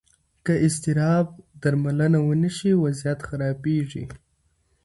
که اضطراب درملنه ونه شي، وضعیت خرابېږي.